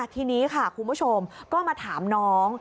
ทีนี้ค่ะคุณผู้ชมก็มาถามน้อง